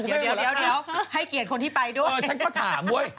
เดี๋ยวให้เกียรติคนนี้ไปด้วย